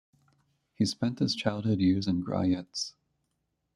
He spent his childhood years in Grojec.